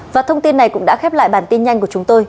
và thông tin này cũng đã khép lại bản tin nhanh của chúng tôi